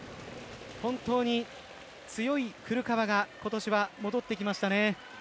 本当に強い古川が今年は戻ってきましたね。